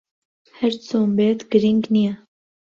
ھەر چۆن بێت، گرنگ نییە.